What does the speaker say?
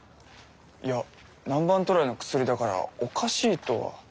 いや南蛮渡来の薬だからおかしいとは。